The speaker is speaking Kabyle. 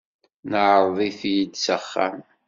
Neɛreḍ-it-id s axxam.